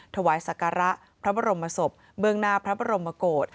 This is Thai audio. ถวายศักระพระบรมศพเบื้องหน้าพระบรมโกศ